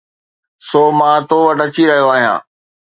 سو مان تو وٽ اچي رهيو آهيان